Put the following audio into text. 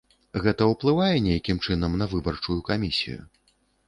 Гэта ўплывае нейкім чынам на выбарчую камісію?